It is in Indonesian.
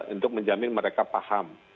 untuk menjamin mereka paham